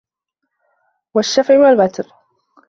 وَالشَّفعِ وَالوَترِ